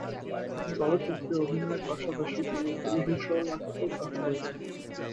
চলচ্চিত্রে অভিনয়ের পাশাপাশি তিনি টেলিভিশন নাটকেও কাজ করেছেন।